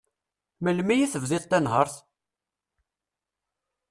Melmi i tebdiḍ tanhert?